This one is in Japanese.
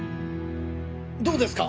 どうですか？